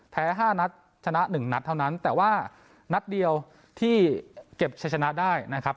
แพ้ห้านัดชนะหนึ่งนัดเท่านั้นแต่ว่านัดเดียวที่เก็บชนะได้นะครับ